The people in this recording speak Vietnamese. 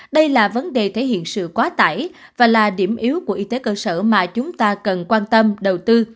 đây là vấn đề thể hiện sự quá tải và là điểm yếu của y tế cơ sở mà chúng ta cần quan tâm đầu tư